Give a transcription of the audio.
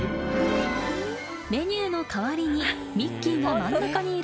メニューの代わりに、ミッキーが真ん中にいる